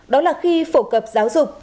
đó là khi phổ cập giáo dục